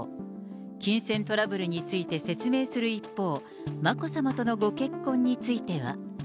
金銭トラブルについて説明する一方、眞子さまとのご結婚については。